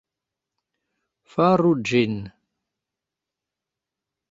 Faru ĝin